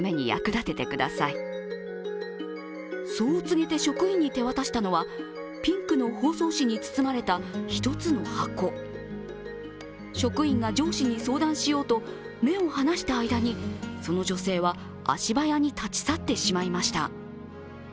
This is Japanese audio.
そう告げて職員に手渡したのはピンクの包装紙に包まれた１つの箱職員が上司に相談しようと目を離した間にその女性は足早に立ち去ってしまいました。